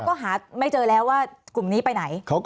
ก็หาไม่เจอแล้วว่ากลุ่มนี้ไปไหน